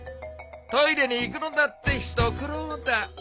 トイレに行くのだって一苦労だ。